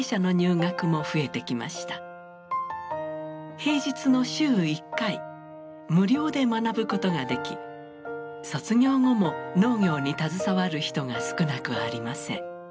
平日の週１回無料で学ぶことができ卒業後も農業に携わる人が少なくありません。